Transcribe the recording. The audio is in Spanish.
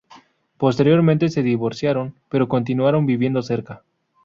Posteriormente se divorciaron, pero continuaron viviendo cerca.